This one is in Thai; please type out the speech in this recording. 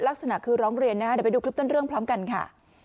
ลักษณะคือร้องเรียนนะคะเดี๋ยวไปดูคลิปต้นเรื่องพร้อมกันค่ะ